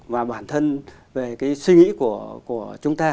và bản thân về cái suy nghĩ của chúng ta